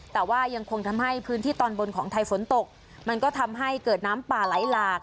แต่ว่ายังคงทำให้พื้นที่ตอนบนของไทยฝนตกมันก็ทำให้เกิดน้ำป่าไหลหลาก